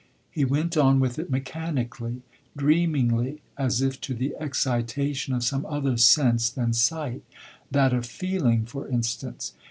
He went on with it mechanically, dreamingly, as if to the excitation of some other sense than sight, that of feeling, for instance.